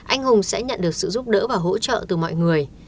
anh hùng sẽ nhận được sự giúp đỡ và hỗ trợ từ mọi người